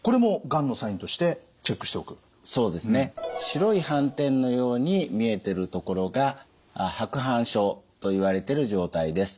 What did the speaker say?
白い斑点のように見えてるところが白板症といわれてる状態です。